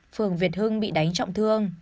phường việt hưng bị đánh trọng thương